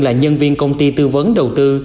là nhân viên công ty tư vấn đầu tư